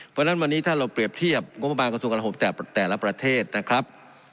เพราะฉะนั้นวันนี้ถ้าเราเปรียบเทียบงบประมาณกระทรวงการหบแต่ละประเทศนะครับ